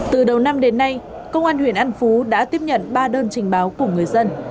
từ đầu năm đến nay công an huyện an phú đã tiếp nhận ba đơn trình báo của người dân